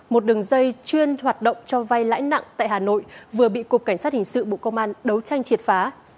một đường dây chuyên hoạt động cho vay lãi nặng tại hà nội vừa bị cục cảnh sát hình sự bộ công an đấu tranh triệt phá